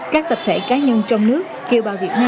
các tập thể cá nhân trong nước kiều bào việt nam